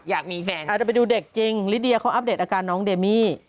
อยากมีแฟนอาจจะไปดูเด็กจริงลิเดียเขาอัปเดตอาการน้องเดมี่